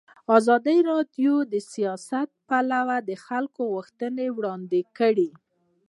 ازادي راډیو د سیاست لپاره د خلکو غوښتنې وړاندې کړي.